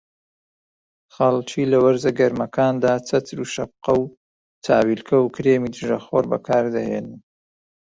خەڵکی لە وەرزە گەرمەکاندا چەتر و شەپقە و چاویلکە و کرێمی دژەخۆر بەکاردەهێنن